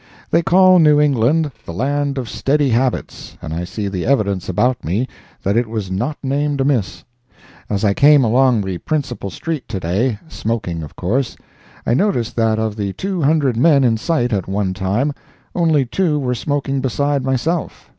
They call New England the land of steady habits, and I see the evidence about me that it was not named amiss. As I came along the principal street, to day—smoking, of course—I noticed that of the two hundred men in sight at one time, only two were smoking beside myself.